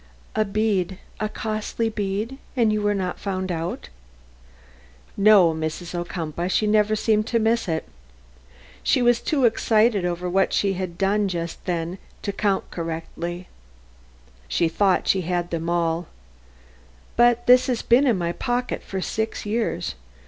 "A bead a costly bead and you were not found out?" "No, Mrs. Ocumpaugh, she never seemed to miss it. She was too excited over what she had just done to count correctly. She thought she had them all. But this has been in my pocket for six years.